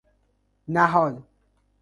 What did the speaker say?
نهاد